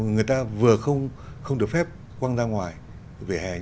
người ta vừa không được phép quăng ra ngoài vỉa hè